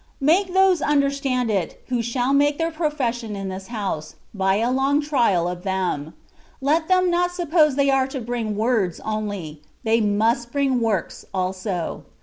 Make those understand it, who shall make their profession in this house, by a long trial of them: let them not suppose they are to bring words only: they must bring works also.